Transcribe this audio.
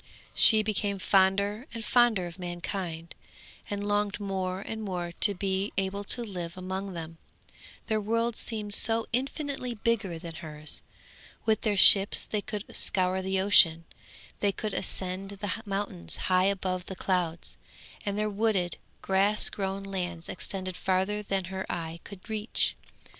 She became fonder and fonder of mankind, and longed more and more to be able to live among them; their world seemed so infinitely bigger than hers; with their ships they could scour the ocean, they could ascend the mountains high above the clouds, and their wooded, grass grown lands extended further than her eye could reach.